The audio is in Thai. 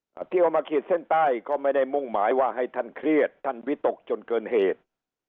ถ้าเที่ยวมาขีดเส้นใต้ก็ไม่ได้มุ่งหมายว่าให้ท่านเครียดท่านวิตกจนเกินเหตุ